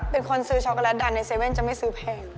เป็นคนซื้อช็อกโกแลตดันใน๗๑๑จะไม่ซื้อแพง